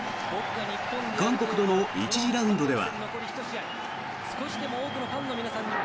韓国との１次ラウンドでは。